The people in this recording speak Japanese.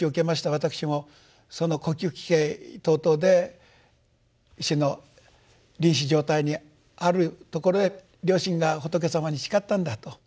私もその呼吸器系等々で死の臨死状態にあるところへ両親が仏様に誓ったんだと。